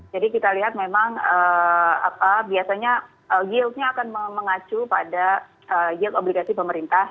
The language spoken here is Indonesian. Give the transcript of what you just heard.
jadi kita lihat memang biasanya yieldnya akan mengacu pada yield obligasi pemerintah